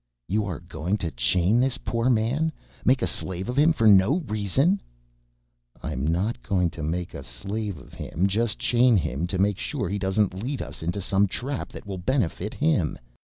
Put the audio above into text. "You are going to chain this poor man, make a slave of him for no reason!" "I'm not going to make a slave of him, just chain him to make sure he doesn't lead us into some trap that will benefit him.